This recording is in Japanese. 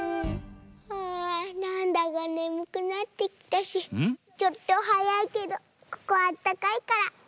あなんだかねむくなってきたしちょっとはやいけどここあったかいからとうみんするね。